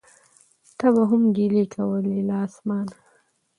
تا به هم ګیلې کولای له اسمانه